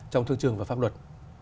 trong thương trường và pháp luật